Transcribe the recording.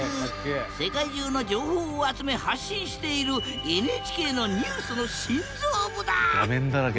世界中の情報を集め発信しているＮＨＫのニュースの心臓部だ！